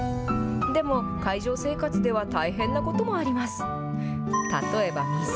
でも、海上生活では大変なこともあります。例えば水。